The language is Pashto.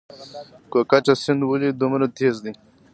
کوکچه سیند ولې دومره تیز دی؟